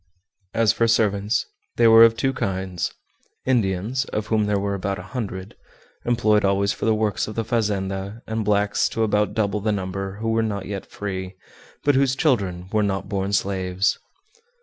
As for servants they were of two kinds Indians, of whom there were about a hundred, employed always for the works of the fazenda, and blacks to about double the number, who were not yet free, but whose children were not born slaves.